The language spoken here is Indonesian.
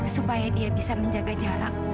supaya dia bisa menjaga jarak